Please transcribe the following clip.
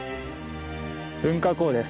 噴火口です。